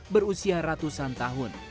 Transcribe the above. berusia ratusan tahun